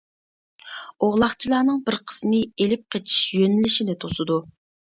ئوغلاقچىلارنىڭ بىر قىسمى ئېلىپ قېچىش يۆنىلىشىنى توسىدۇ.